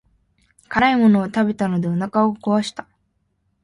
辛いものを食べたのでお腹を壊した。